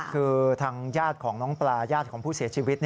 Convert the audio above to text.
คือทางญาติของน้องปลาญาติของผู้เสียชีวิต